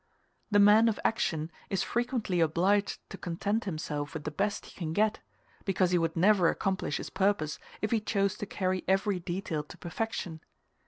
The man of action is frequently obliged to content himself with the best he can get, because he would never accomplish his purpose if he chose to carry every detail to perfection.